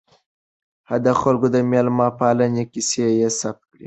د خلکو د میلمه پالنې کیسې یې ثبت کړې.